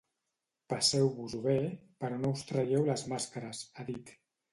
Passeu-vos-ho bé, però no us traieu les màscares, ha dit.